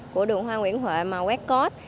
của đường hoa nguyễn huệ mà quét code